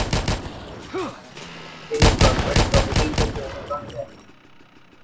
তিনি সরকারি তহবিল থেকে অনুদান দেন।